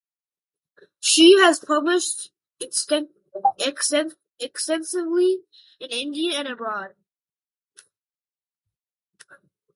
She has published extensively in India and abroad.